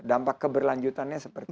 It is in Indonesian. dampak keberlanjutannya seperti apa